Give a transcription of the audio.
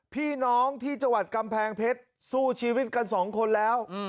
พี่น้องที่จังหวัดกำแพงเพชรสู้ชีวิตกันสองคนแล้ว